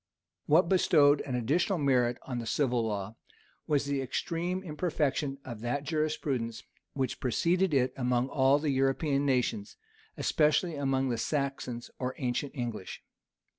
What bestowed an additional merit on the civil law, was the extreme imperfection of that jurisprudence which preceded it among all the European nations, especially among the Saxons or ancient English.